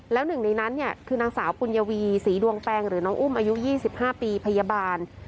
แล้วหนึ่งในนั้นเนี่ยคือนางสาวปุญวีศรีดวงแปงหรือน้องอุ้มอายุ๒๕ปีพยาบาล